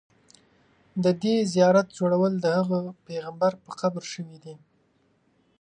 د دې زیارت جوړول د هغه پیغمبر په قبر شوي دي.